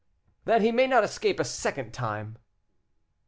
"That he may not escape a second time."